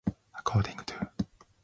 The minor clues lead nowhere.